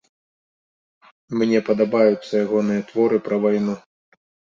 Мне падабаюцца ягоныя творы пра вайну.